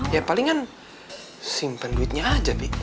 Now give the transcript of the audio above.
ya palingan simpan duitnya aja bi